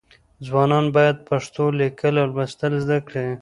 ځوانان باید پښتو لیکل او لوستل زده کړي.